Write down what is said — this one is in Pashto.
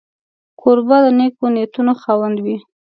کوربه د نېکو نیتونو خاوند وي.